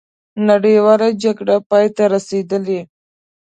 نړیواله جګړه پای ته رسېدلې.